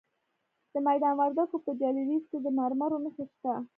د میدان وردګو په جلریز کې د مرمرو نښې شته.